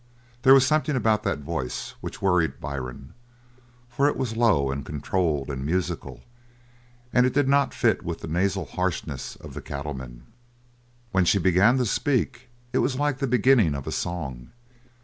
There was something about that voice which worried Byrne, for it was low and controlled and musical and it did not fit with the nasal harshness of the cattlemen. When she began to speak it was like the beginning of a song.